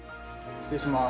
失礼します。